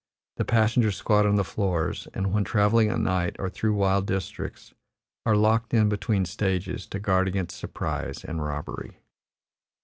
The passengers squat on the floors, and when travelling at night, or through wild districts, are locked in between stages to guard against surprise and robbery.